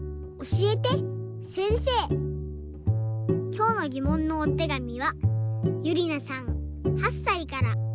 きょうのぎもんのおてがみはゆりなさん８さいから。